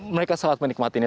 mereka sangat menikmatinya